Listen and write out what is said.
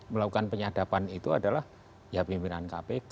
melakukan penyadapan itu adalah ya pimpinan kpk